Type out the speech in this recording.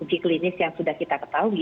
uji klinis yang sudah kita ketahui